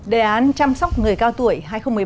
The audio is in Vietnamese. đề án chăm sóc người cao tuổi